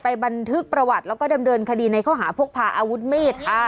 บันทึกประวัติแล้วก็ดำเนินคดีในข้อหาพกพาอาวุธมีดค่ะ